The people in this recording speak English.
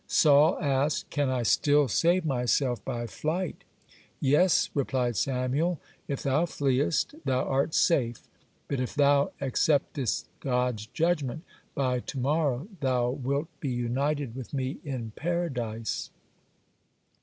Saul asked: "Can I still save myself by flight?" "Yes," replied Samuel, "if thou fleest, thou art safe. But if thou acceptest God's judgment, by to morrow thou wilt be united with me in Paradise."